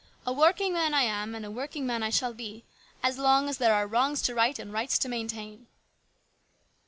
A working man I am, and a working man I shall be, as long as there are wrongs to right and rights to maintain."